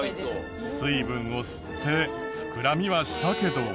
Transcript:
水分を吸って膨らみはしたけど。